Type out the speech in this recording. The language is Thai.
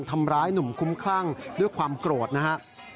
ทำร้ายหนุ่มคุ้มคลั่งด้วยความโกรธนะครับ